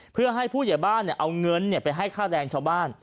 เพื่อให้ผู้ใหญ่บ้านเอาเงินไปให้ค่าแรงชาวบ้าน